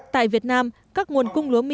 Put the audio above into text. tại việt nam các nguồn cung lúa mì